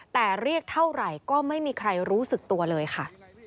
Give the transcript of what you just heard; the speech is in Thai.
แต่เรียกเท่าไหร่ก็ไม่มีใครรู้สึกตัวเลยค่ะ